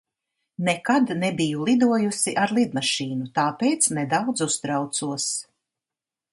Nekad nebiju lidojusi ar lidmašīnu, tāpēc nedaudz uztraucos.